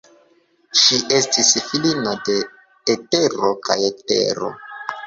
Ŝi estis filino de Etero kaj Tero.